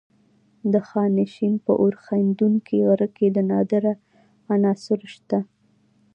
د خانشین په اورښیندونکي غره کې نادره عناصر شته.